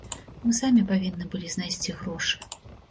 Мы самі павінны былі знайсці грошы.